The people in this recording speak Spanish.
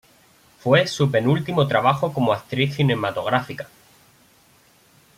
Fue su penúltimo trabajo como actriz cinematográfica.